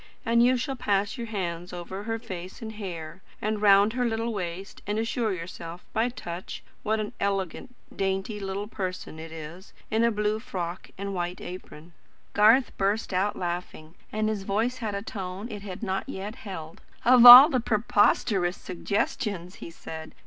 and you shall pass your hands over her face and hair, and round her little waist, and assure yourself, by touch, what an elegant, dainty little person it is, in a blue frock and white apron." Garth burst out laughing, and his voice had a tone it had not yet held. "Of all the preposterous suggestions!" he said.